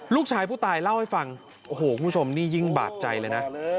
ลูกชายผู้ตายเล่าให้ฟังโอ้โหคุณผู้ชมนี่ยิ่งบาดใจเลยนะ